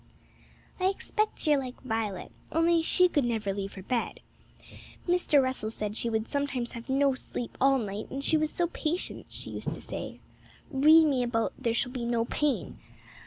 'I expect you're like Violet, only she could never leave her bed. Mr. Russell said she would sometimes have no sleep all night, and she was so patient, she used to say, "Read me about there shall be no pain."